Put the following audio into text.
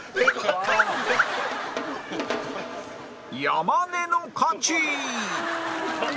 山根の勝ち！